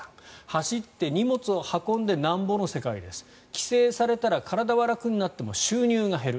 走って荷物を運んでなんぼの世界です規制されたら体は楽になっても収入が減る。